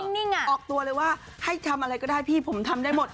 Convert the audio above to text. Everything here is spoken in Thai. นี่ไงออกตัวเลยว่าให้ทำอะไรก็ได้พี่ผมทำได้หมด